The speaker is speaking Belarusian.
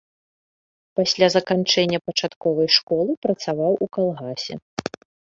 Пасля заканчэння пачатковай школы працаваў у калгасе.